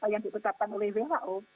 yang diketahkan oleh who